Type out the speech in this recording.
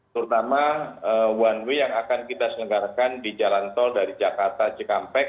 terutama one way yang akan kita selenggarakan di jalan tol dari jakarta cikampek